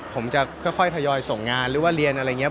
ผมจะค่อยทยอยส่งงานหรือว่าเรียนอะไรอย่างนี้